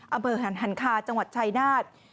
อำเภอหันคาจังหวัดชายนาฏ